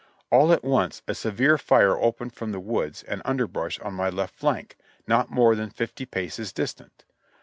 All at once a severe fire opened from the woods and underbrush on my left flank, not more than fifty paces distant.